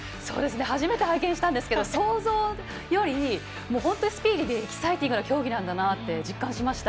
初めて拝見したんですけど想像より本当にスピーディーでエキサイティングな競技だなと実感しました。